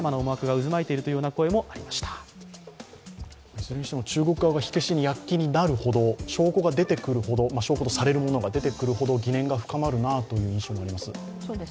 それにしても中国側が火消しに躍起になるほど証拠とされるものが出てくるほど疑念が深まるなという印象があります。